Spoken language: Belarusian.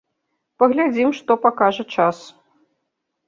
Паглядзім, што пакажа час!